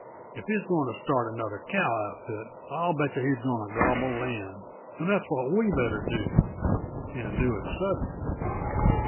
If he's going to start another cow outfit, I'll bet yuh he's going to gobble land and that's what we better do, and do it sudden."